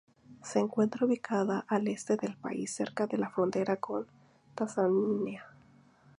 Se encuentra ubicada al este del país, cerca de la frontera con Tanzania.